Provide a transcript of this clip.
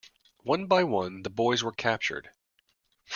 One by one the boys were captured.